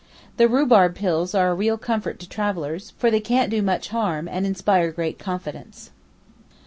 The rhubarb pills are a real comfort to travellers, for they can't do much harm, and inspire great confidence.